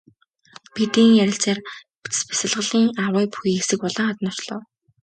Бид ийн ярилцсаар бясалгалын агуй бүхий хэсэг улаан хаданд очлоо.